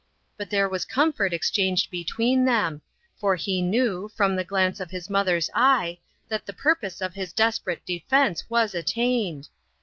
But there was comfort exchanged between them; for he knew, from the glance of his mother's eye, that the purpose of his desperate defence was attained.